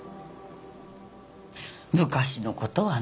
昔の事はね。